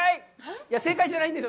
いや、正解じゃないんですよ。